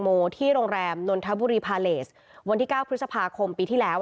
โมที่โรงแรมนนทบุรีพาเลสวันที่๙พฤษภาคมปีที่แล้ว